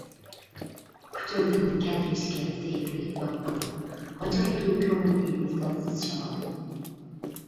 ئۇچۇردىن كەلگەچكە سېھىرلىك يالقۇن، غاجايدۇ كۆڭۈلنى ۋىسالسىز شامال.